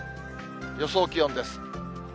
予想気温です。